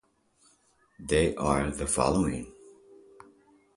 They are the following.